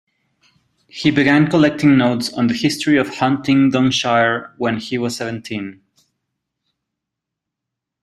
He began collecting notes on the history of Huntingdonshire when he was seventeen.